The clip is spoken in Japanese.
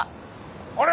あれ！